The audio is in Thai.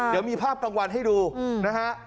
เดี๋ยวมีภาพกลางวันให้ดูนะฮะ